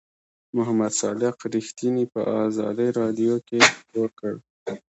محمد صادق رښتیني په آزادۍ رادیو کې خپور کړ.